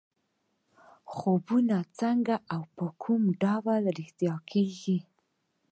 خوبونه څنګه او په کوم ډول رښتیا کېږي.